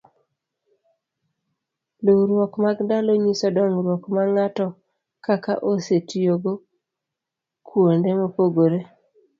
luwruok mag ndalo nyiso dongruok ma ng'atokaka osetiyo kuonde mopogore